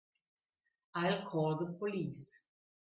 I'll call the police.